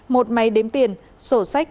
một máy đếm tiền sổ sách